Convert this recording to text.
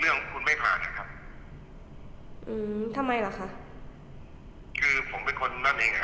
ของคุณไม่ผ่านนะครับอืมทำไมล่ะคะคือผมเป็นคนนั่นเองอ่ะ